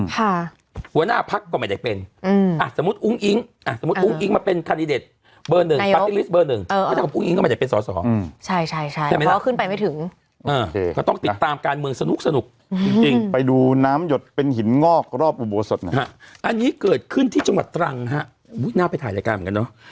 หัวหน้าพักก็ไม่ได้เป็นสมมุติอุ้งอิงอันนี้เกิดขึ้นที่จงหัดตรังน่าไปถ่ายรายการเหมือนกันเนอะ